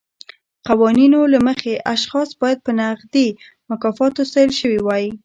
قوانینو له مخې اشخاص باید په نغدي مکافاتو ستایل شوي وای.